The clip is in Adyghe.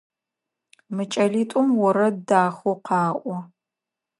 Мы кӏэлитӏум орэд дахэу къаӏо.